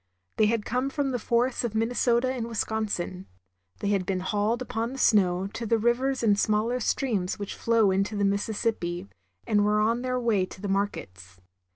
They had come from the forests of Minnesota and Wisconsin. They had been hauled upon the snow to the rivers and smaller streams which flow into the Missis sippi, and were on their way to the markets.